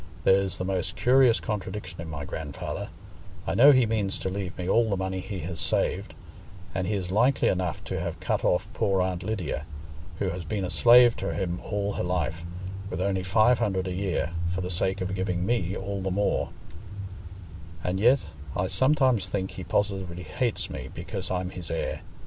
There's the most curious contradiction in my grandfather: I know he means to leave me all the money he has saved, and he is likely enough to have cut off poor Aunt Lydia, who has been a slave to him all her life, with only five hundred a year, for the sake of giving me all the more; and yet I sometimes think he positively hates me because I'm his heir.